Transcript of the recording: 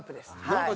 はい。